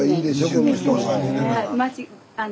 この人。